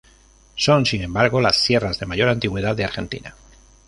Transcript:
Son sin embargo las sierras de mayor antigüedad de Argentina.